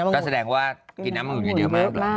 ก็แสดงว่ากินน้ำมะงูกเยอะแดียวมาก